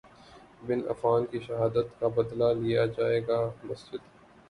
بن عفان کی شہادت کا بدلہ لیا جائے گا مسجد